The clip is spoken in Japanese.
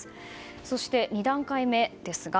そして、２段階目です。